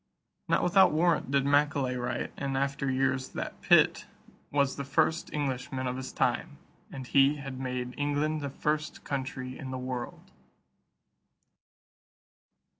Not without warrant did Macaulay write in after years that Pitt "was the first Englishman of his time; and he had made England the first country in the world."